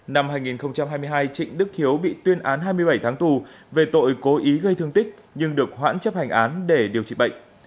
năm hai nghìn hai mươi hai trịnh đức hiếu bị tuyên án hai mươi bảy tháng tù về tội cố ý gây thương tích nhưng được hoãn chấp hành án để điều trị bệnh